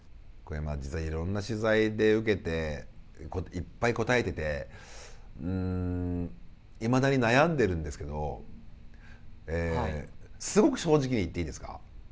実はいろんな取材で受けていっぱい答えてていまだに悩んでるんですけどすごく正直に言っていいですか？